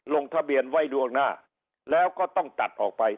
ลงทะเบียนไว้ล่วงหน้าแล้วก็ต้องตัดออกไป